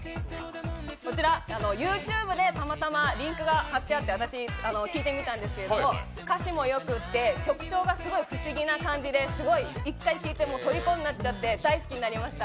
こちらＹｏｕＴｕｂｅでたまたまリンクが張ってあって私、聴いてみたんですけど歌詞もよくって曲調がすごい不思議な感じで、１回聴いてとりこになっちゃって大好きになっちゃいました。